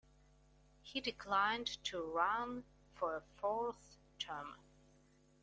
He declined to run for a fourth term.